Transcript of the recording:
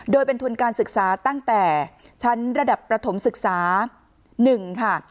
โดยเป็นทุนการศึกษาตั้งแต่ชั้นระดับประถมศึกษา๑ค่ะ